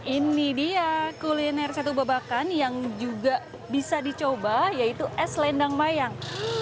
ini dia kuliner satu babakan yang juga bisa dicoba yaitu es lendang mayang